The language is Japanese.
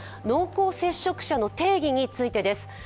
濃厚接触者の定義についてです。